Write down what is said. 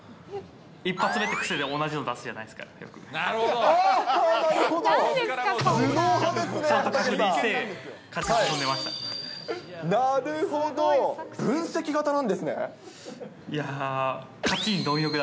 １発目って癖で同じの出すじゃないですか、よく。